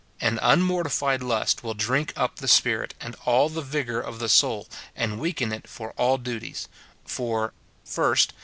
An unmortified lust will drink up the spirit, and all the vigour of the soul, and weaken it for all duties. For, — 1st.